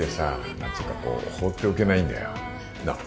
なんつーかこう放っておけないんだよなあ